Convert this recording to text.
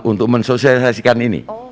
untuk mensosialisasikan ini